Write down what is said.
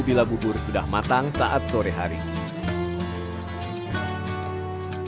bila bubur sudah matang saat sore hari